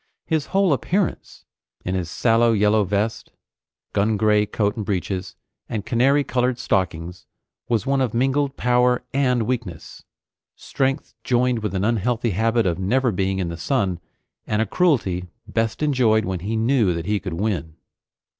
His whole appearance, in his sallow yellow vest, gun gray coat and breeches and canary colored stockings, was one of mingled power and weakness; strength joined with an unhealthy habit of never being in the sun, and a cruelty best enjoyed when he knew that he could win.